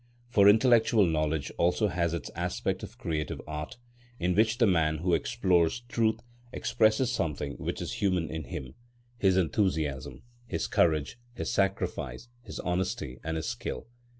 For intellectual knowledge also has its aspect of creative art, in which the man who explores truth expresses something which is human in him—his enthusiasm, his courage, his sacrifice, his honesty, and his skill.